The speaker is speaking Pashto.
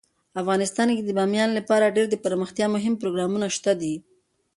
افغانستان کې د بامیان لپاره ډیر دپرمختیا مهم پروګرامونه شته دي.